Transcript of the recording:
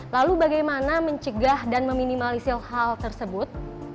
lalu bagaimana mencegah dan meminimalisir hal tersebut